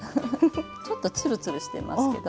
ちょっとツルツルしてますけど。